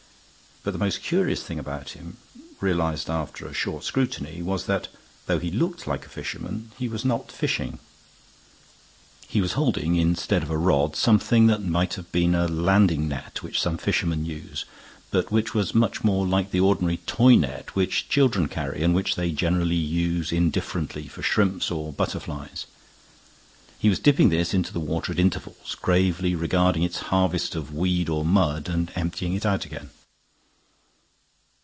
But the most curious thing about him, realized after a short scrutiny, was that, though he looked like a fisherman, he was not fishing. He was holding, instead of a rod, something that might have been a landing net which some fishermen use, but which was much more like the ordinary toy net which children carry, and which they generally use indifferently for shrimps or butterflies. He was dipping this into the water at intervals, gravely regarding its harvest of weed or mud, and emptying it out again.